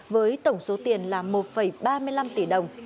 với tổng số tiền là một ba mươi năm tỷ đồng